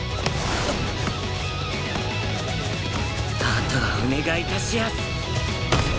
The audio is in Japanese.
あとはお願い致しやす！